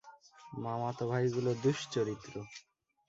মামাতো ভাইগুলো দুশ্চরিত্র।